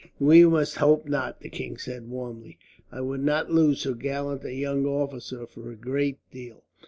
"We must hope not," the king said warmly. "I would not lose so gallant a young officer, for a great deal.